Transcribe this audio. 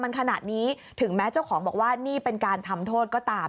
มันขนาดนี้ถึงแม้เจ้าของบอกว่านี่เป็นการทำโทษก็ตาม